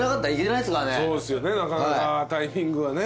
なかなかタイミングがね。